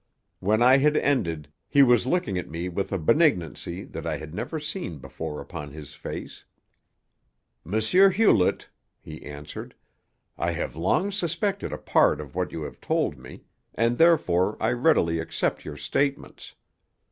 When I had ended he was looking at me with a benignancy that I had never seen before upon his face. "M. Hewlett," he answered, "I have long suspected a part of what you have told me, and therefore I readily accept your statements.